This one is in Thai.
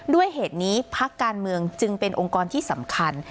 ด้วยเหตุนี้พักการเมืองจึงเป็นองค์กรที่สำคัญ